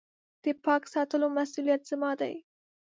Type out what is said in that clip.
د پاک ساتلو مسولیت زما دی .